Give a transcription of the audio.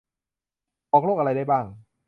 บอกโรคอะไรได้บ้าง